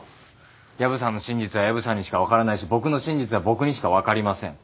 薮さんの真実は薮さんにしか分からないし僕の真実は僕にしか分かりません。